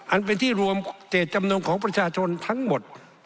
อันเป็นที่รวมเจตจำนงของประชาชนทั้งหมด